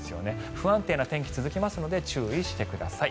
不安定な天気が続きますので注意してください。